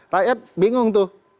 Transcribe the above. rakyat bingung tuh